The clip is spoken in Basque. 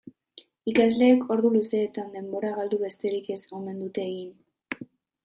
Ikasleek ordu luzeetan denbora galdu besterik ez omen dute egin.